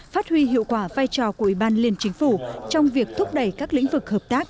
phát huy hiệu quả vai trò của ủy ban liên chính phủ trong việc thúc đẩy các lĩnh vực hợp tác